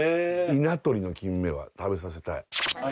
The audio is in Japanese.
稲取のキンメは食べさせたい。